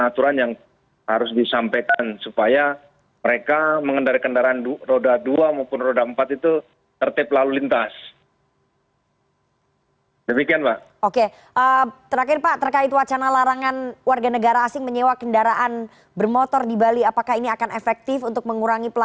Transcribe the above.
saya suka dengan kim bang rem